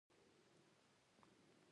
د ملا شیر محمد اخوندزاده هوتکی تصنیف دی.